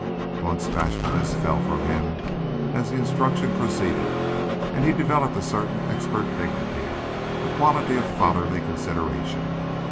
Blunt's bashfulness fell from him as the instruction proceeded, and he developed a certain expert dignity, a quality of fatherly consideration.